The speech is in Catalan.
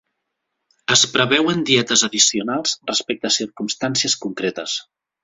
Es preveuen dietes addicionals respecte a circumstàncies concretes.